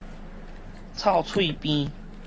臭喙邊